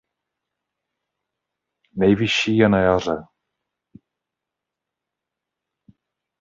Nejvyšší je na jaře.